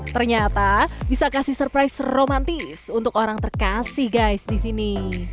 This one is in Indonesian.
ternyata bisa kasih surprise romantis untuk orang terkasih guys di sini